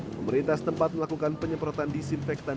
pemerintah setempat melakukan penyemprotan disinfektan